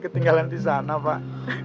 ketinggalan di sana pak